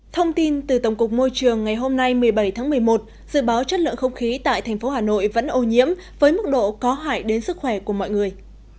thông tin từ tổng cục môi trường ngày hôm nay một mươi bảy tháng một mươi một dự báo chất lượng không khí tại thành phố hà nội vẫn ô nhiễm với mức độ có hại đến sức khỏe của mọi người